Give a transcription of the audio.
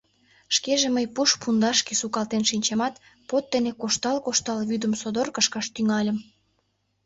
Шкеже мый пуш пундашке сукалтен шинчымат, под дене коштал-коштал, вӱдым содор кышкаш тӱҥальым.